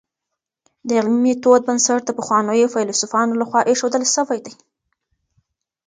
د علمي ميتود بنسټ د پخوانیو فيلسوفانو لخوا ايښودل سوی دی.